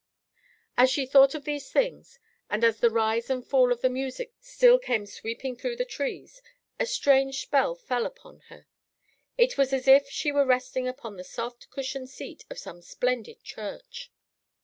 As she thought of these things, and as the rise and fall of the music still came sweeping through the trees, a strange spell fell upon her. It was as if she were resting upon the soft, cushioned seat of some splendid church.